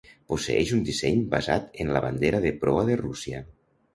Posseeix un disseny basat en la bandera de proa de Rússia.